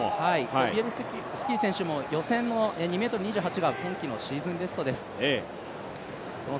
コビエルスキ選手も予選の２ｍ２０が今季のシーズンベストです。